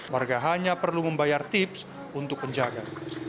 warga hanya perlu membayar tips untuk penjaga